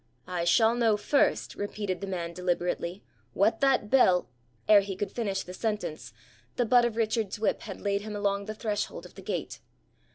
'I shall know first,' repeated the man deliberately, 'what that bell ' Ere he could finish the sentence, the butt of Richard's whip had laid him along the threshold of the gate.